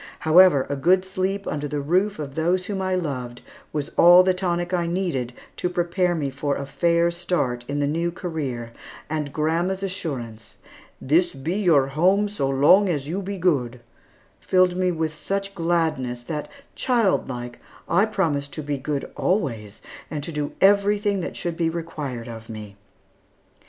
However, a good sleep under the roof of those whom I loved was all the tonic I needed to prepare me for a fair start in the new career, and grandma's assurance, "This be your home so long as you be good," filled me with such gladness that, childlike, I promised to be good always and to do everything that should be required of me.